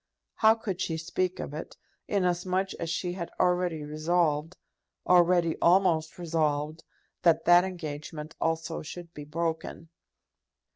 How could she speak of it, inasmuch as she had already resolved, already almost resolved, that that engagement also should be broken?